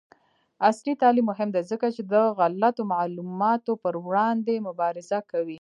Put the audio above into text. عصري تعلیم مهم دی ځکه چې د غلطو معلوماتو پر وړاندې مبارزه کوي.